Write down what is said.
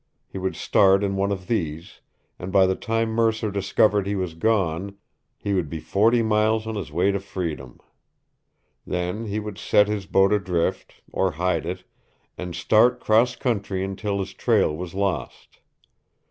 He would start in one of these, and by the time Mercer discovered he was gone, he would be forty miles on his way to freedom. Then he would set his boat adrift, or hide it, and start cross country until his trail was lost.